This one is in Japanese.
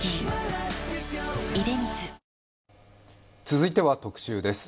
続いては特集です。